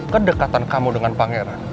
kedekatan kamu dengan pangeran